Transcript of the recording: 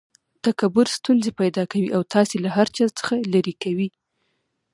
تکبر ستونزي پیدا کوي او تاسي له هر چا څخه ليري کوي.